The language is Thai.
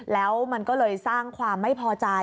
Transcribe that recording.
แล้วมันก็เลยสร้างความไม่พอใจ